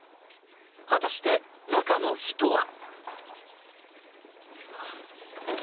果たして、中の人は。